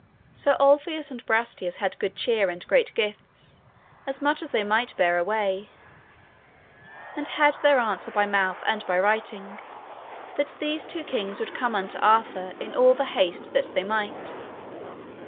So Ulfius and Brastias had good cheer and great gifts, as much as they might bear away; and had their answer by mouth and by writing, that those two kings would come unto Arthur in all the haste that they might.